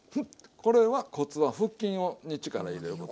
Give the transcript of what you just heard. これはコツは腹筋に力入れること。